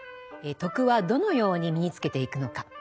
「徳」はどのように身につけていくのか。